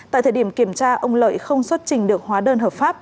tại thời điểm kiểm tra ông lợi không xuất trình được hóa đơn hợp pháp